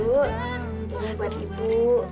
bu ini buat ibu